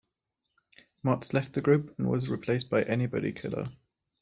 Marz left the group, and was replaced by Anybody Killa.